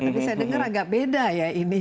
tapi saya dengar agak beda ya ini